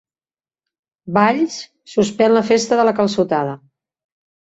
Valls suspèn la Festa de la Calçotada